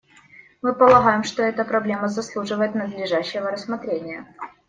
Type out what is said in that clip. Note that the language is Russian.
Мы полагаем, что эта проблема заслуживает надлежащего рассмотрения.